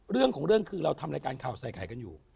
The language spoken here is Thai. เรื่องของเรื่องคือเราทำรายการข่าวใส่ไข่กันอยู่